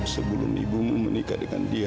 sebelum ibumu menikah dengan dia